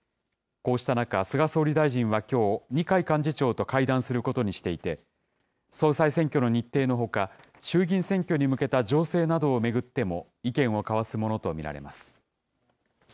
こうした中、菅総理大臣はきょう、二階幹事長と会談することにしていて、総裁選挙の日程のほか、衆議院選挙に向けた情勢などを巡っても、意見を交わすものと見られます。